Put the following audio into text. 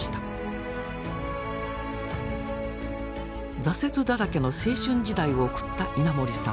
挫折だらけの青春時代を送った稲盛さん。